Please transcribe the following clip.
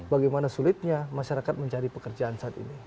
bagaimana sulitnya masyarakat mencari pekerjaan saat ini